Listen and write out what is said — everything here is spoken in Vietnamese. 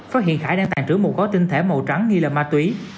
phát hiện khải đang tàn trướng một gói trinh thể màu trắng nghi là ma túy